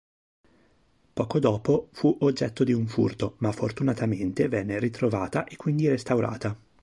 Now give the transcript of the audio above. Poco dopo fu oggetto di un furto ma, fortunatamente, venne ritrovata e quindi restaurata.